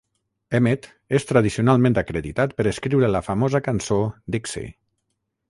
Emet és tradicionalment acreditat per escriure la famosa cançó Dixi.